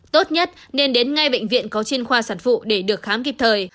tốt nhất nên đến ngay bệnh viện có chuyên khoa sản phụ để được khám kịp thời